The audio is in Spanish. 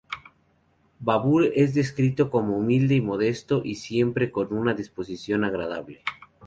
Babur es descrito como humilde y modesto y siempre con una disposición agradable.